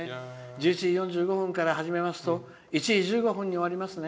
１１時４５分から始めますと１時１５分に終わりますね。